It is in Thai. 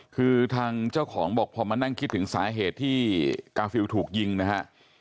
คือทางเจ้าของบอกพอมานั่งคิดถึงสาเหตุที่กาฟิลถูกยิงนะฮะ